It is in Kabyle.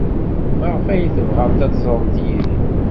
Maɣef ay tebɣamt ad teẓremt Yidir?